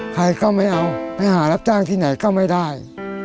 ใครก็ไม่เอาไปหารับจ้างที่ไหนก็ไม่ได้